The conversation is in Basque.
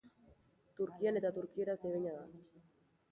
Turkian eta turkieraz egina da.